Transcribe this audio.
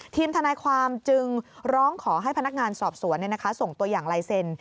ทีมทนายความจึงร้องขอให้พนักงานสอบสวนส่งตัวอย่างลายเซ็น